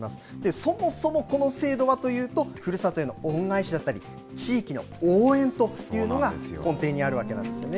そもそもこの制度はというと、ふるさとへの恩返しだったり、地域の応援というのが根底にあるわけなんですよね。